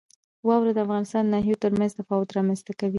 واوره د افغانستان د ناحیو ترمنځ تفاوتونه رامنځ ته کوي.